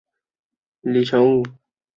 首府帕利尼。